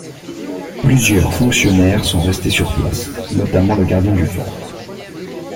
Plusieurs fonctionnaires sont restés sur place, notamment le gardien du phare.